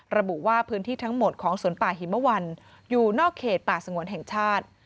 ระบุว่าพื้นที่ทั้งหมดของสวนป่าหิมวันอยู่นอกเขตป่าสงวนแห่งชาติ